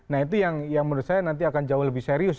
nah itu yang menurut saya nanti akan jauh lebih serius